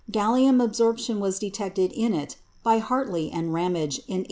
Gallium absorption was detected in it by Hartley and Ramage in 1889.